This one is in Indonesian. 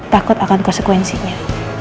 takut akan konsekuensinya